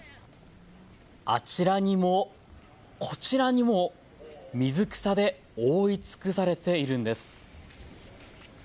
あちらにも、こちらにも水草で覆い尽くされているんです。